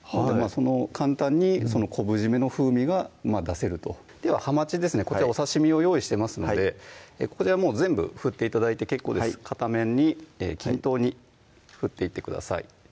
簡単に昆布締めの風味が出せるとでははまちですねこちらお刺身を用意してますのでここで全部振って頂いて結構です片面に均等に振っていってください